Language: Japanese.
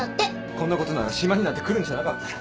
こんなことなら島になんて来るんじゃなかった。